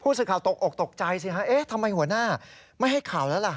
สื่อข่าวตกอกตกใจสิฮะเอ๊ะทำไมหัวหน้าไม่ให้ข่าวแล้วล่ะ